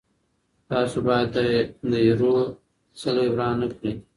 تاسو باید د ايرو څلی وران نه کړئ.